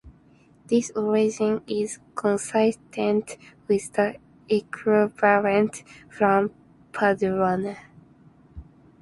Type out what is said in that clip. This origin is consistent with the equivalent form, "Paduana".